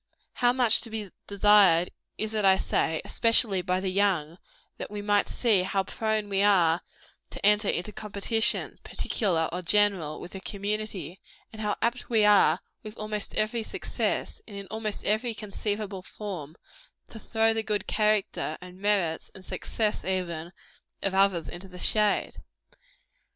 How much to be desired is it, I say, especially by the young, that we might see how prone we are to enter into competition, particular or general, with the community; and how apt we are, with almost every breath, and in almost every conceivable form, to throw the good character, and merits, and success, even, of others into the shade.